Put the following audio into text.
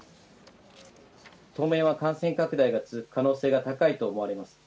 当面は感染拡大が続く可能性が高いと思われます。